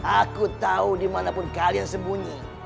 aku tahu dimanapun kalian sembunyi